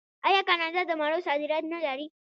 آیا کاناډا د مڼو صادرات نلري؟